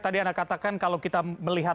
tadi anda katakan kalau kita melihat